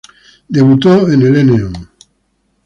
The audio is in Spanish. Debutó en el no.